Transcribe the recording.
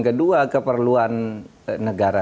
kedua keperluan negara